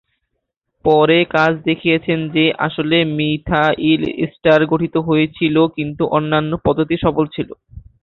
পরে কাজ দেখিয়েছেন যে আসলে মিথাইল এস্টার গঠিত হয়েছিল, কিন্তু অন্যান্য পদ্ধতি সফল ছিল।